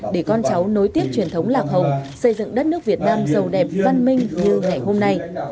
để con cháu nối tiếp truyền thống lạc hồng xây dựng đất nước việt nam giàu đẹp văn minh như ngày hôm nay